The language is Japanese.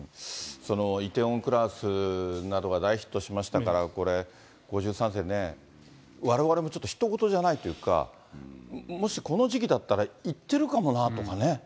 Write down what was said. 梨泰院クラスなどが大ヒットしましたから、これ、５３世ね、われわれもちょっとひと事じゃないというか、もしこの時期だったら行ってるかもなとかね。